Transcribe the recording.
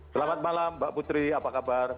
selamat malam mbak putri apa kabar